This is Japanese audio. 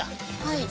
はい。